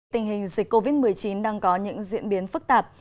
tình hình dịch covid một mươi chín đang có những diễn biến phức tạp